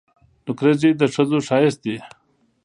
نکریزي د ښځو ښایست دي.